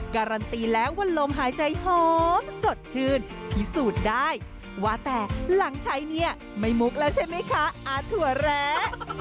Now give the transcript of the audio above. การันตีแล้วว่าลมหายใจหอมสดชื่นพิสูจน์ได้ว่าแต่หลังใช้เนี่ยไม่มุกแล้วใช่ไหมคะอาถั่วแร้